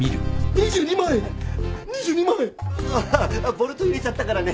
ボルト入れちゃったからね。